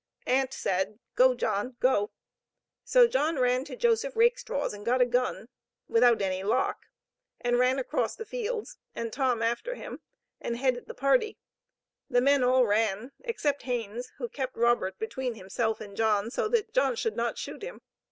Aunt said: "Go, John, go!" So John ran to Joseph Rakestraw's and got a gun (without any lock), and ran across the fields, with Tom after him, and headed the party. The men all ran except Haines, who kept Robert between himself and John, so that John should not shoot him.